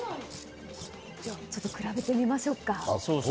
ちょっと比べてみましょうか。